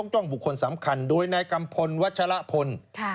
กล้องบุคคลสำคัญโดยนายกัมพลวัชละพล